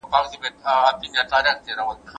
موسی